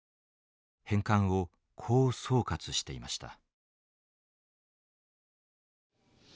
返還をこう総括していました。